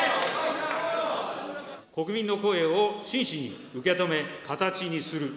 国民の声を真摯に受け止め形にする。